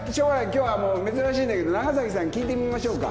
今日はもう珍しいんだけど長さんに聞いてみましょうか。